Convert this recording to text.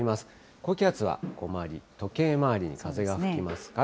高気圧は時計回りに風が吹きますから。